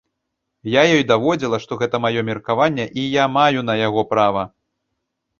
Я ёй даводзіла, што гэта маё меркаванне, і я маю на яго права.